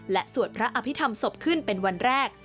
และสวดพระอภิษฐรรมศพขึ้นเป็นวันแรก